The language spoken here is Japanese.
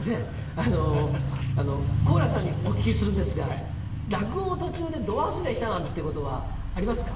あの好楽さんにお聞きするんですが落語の途中でド忘れしたなんてことはありますか？